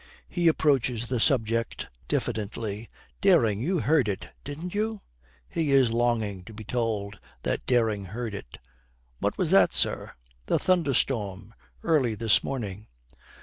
He approaches the subject diffidently. 'Dering, you heard it, didn't you?' He is longing to be told that Dering heard it. 'What was that, sir?' 'The thunderstorm early this morning.'